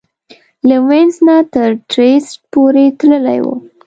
له وینس نه تر ترېسټ پورې تللې وه.